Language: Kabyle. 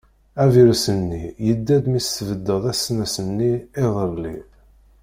Avrius-nni yedda-d mi tesbeddeḍ asnas-nni iḍelli.